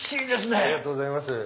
ありがとうございます。